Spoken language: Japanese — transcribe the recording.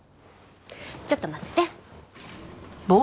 ちょっと待ってて。